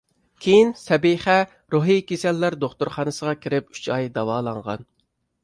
كېيىن سەبىخە روھىي كېسەللەر دوختۇرخانىسىغا كىرىپ ئۈچ ئاي داۋالانغان.